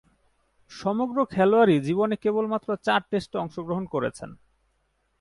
সমগ্র খেলোয়াড়ী জীবনে কেবলমাত্র চার টেস্টে অংশগ্রহণ করেছেন।